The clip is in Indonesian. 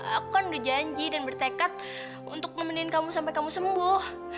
aku kan udah janji dan bertekad untuk nemenin kamu sampai kamu sembuh